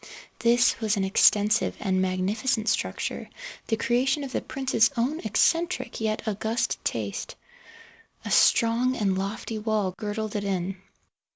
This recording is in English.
This was an extensive and magnificent structure, the creation of the prince's own eccentric yet august taste. A strong and lofty wall girdled it in.